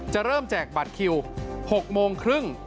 เริ่มแจกบัตรคิว๖โมงครึ่ง